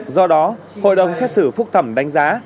do đó hội đồng xét xử phúc thẩm đánh giá